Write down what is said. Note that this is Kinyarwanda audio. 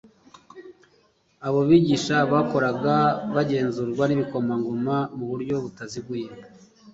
abo bigisha bakoraga bagenzurwa nibikomangoma mu buryo butaziguye